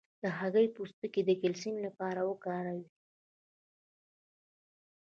د هګۍ پوستکی د کلسیم لپاره وکاروئ